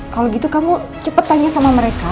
kalo gitu kamu cepet tanya sama mereka